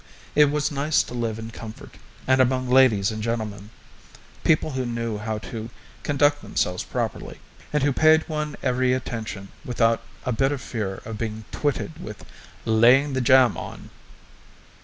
It was nice to live in comfort, and among ladies and gentlemen people who knew how to conduct themselves properly, and who paid one every attention without a bit of fear of being twitted with "laying the jam on".